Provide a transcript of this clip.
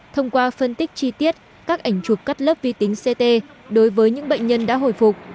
thông qua phân tích chi tiết các ảnh chụp cắt lớp vi tính ct đối với những bệnh nhân đã hồi phục